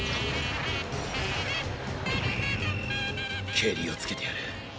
ケリをつけてやる。